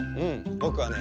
ぼくはね